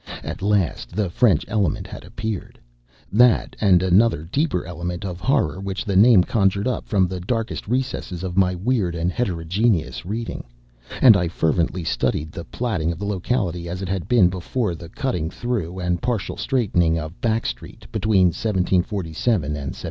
At last the French element had appeared that, and another deeper element of horror which the name conjured up from the darkest recesses of my weird and heterogeneous reading and I feverishly studied the platting of the locality as it had been before the cutting through and partial straightening of Back Street between 1747 and 1758.